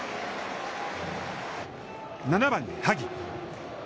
７番、萩。